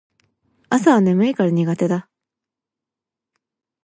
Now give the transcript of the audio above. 朝は眠いから苦手だ